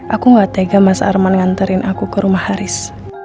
aku gak tega mas arman nganterin aku ke rumah haris